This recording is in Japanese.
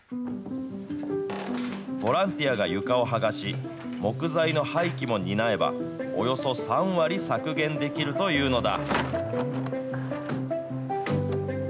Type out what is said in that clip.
ボランティアが床を剥がし、木材の廃棄も担えば、およそ３割削減できるというのだ。